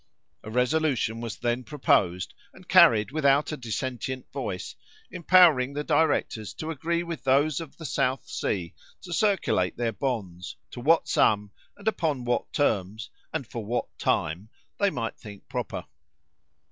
A resolution was then proposed, and carried without a dissentient voice, empowering the directors to agree with those of the South Sea to circulate their bonds, to what sum, and upon what terms, and for what time, they might think proper.